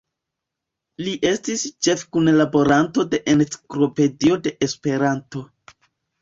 Li estis ĉefkunlaboranto de "Enciklopedio de Esperanto".